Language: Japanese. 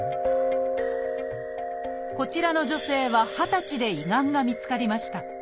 こちらの女性は二十歳で胃がんが見つかりました。